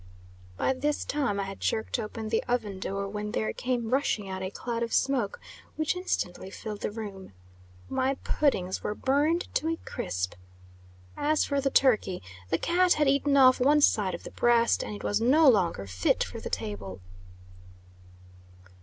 By this time I had jerked open the oven door, when there came rushing out a cloud of smoke, which instantly filled the room. My puddings were burned to a crisp! As for the turkey, the cat had eaten off one side of the breast, and it was no longer fit for the table.